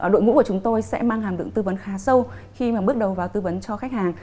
đội ngũ của chúng tôi sẽ mang hàm lượng tư vấn khá sâu khi mà bước đầu vào tư vấn cho khách hàng